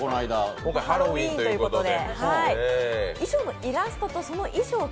今回ハロウィーンということで。